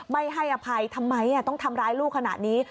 ไม่ให้อภัยทำไมต้องทำร้ายลูกขนาดนี้